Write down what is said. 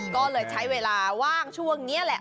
ก็เลยใช้เวลาว่างช่วงนี้แหละ